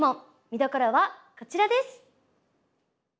みどころはこちらです！